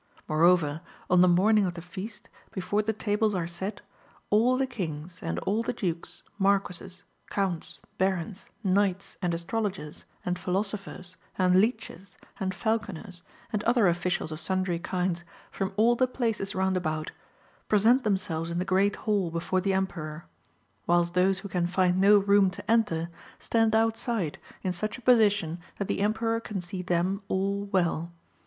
Moreover, on the morning of the Feast, before the tables are set, all the Kings, and all the Dukes, Marquesses, Counts, Barons, Knights, and Astrologers, and Philosophers, and Leeches, and Falconers, and other officials of sundry kinds from all the places round about, present themselves in the Great Hall before the Emperor ; whilst those who can find no room to enter stand outside in such a position that the Emperor can see them all well.